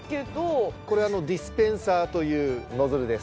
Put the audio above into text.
これディスペンサーというノズルです。